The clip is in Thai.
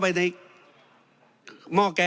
เพราะฉะนั้นโทษเหล่านี้มีทั้งทั้งสิ่งที่ผิดกฎหมายใหญ่นะครับ